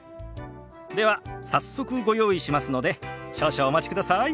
では早速ご用意しますので少々お待ちください。